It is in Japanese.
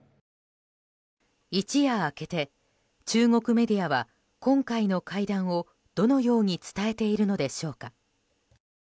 一夜明けて中国メディアは今回の会談をどのように伝えているのでしょうか。